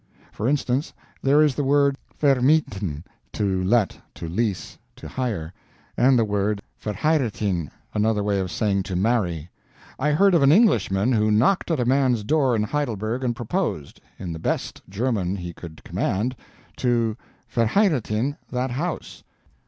For instance, there is the word VERMIETHEN (to let, to lease, to hire); and the word VERHEIRATHEN (another way of saying to marry). I heard of an Englishman who knocked at a man's door in Heidelberg and proposed, in the best German he could command, to "verheirathen" that house.